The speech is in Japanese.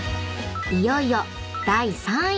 ［いよいよ第３位］